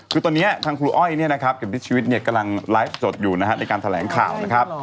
คือตอนนี้ทางครูอ้อยเนี่ยนะครับเข็มทิศชีวิตเนี่ยกำลังไลฟ์สดอยู่นะฮะในการแถลงข่าวนะครับ